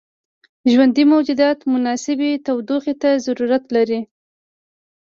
ژوندي موجودات مناسبې تودوخې ته ضرورت لري.